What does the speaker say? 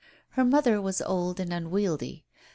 Her mother was old and unwieldy.